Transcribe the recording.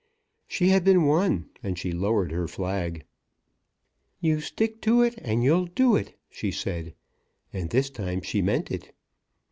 She had been won, and she lowered her flag. "You stick to it, and you'll do it," she said; and this time she meant it.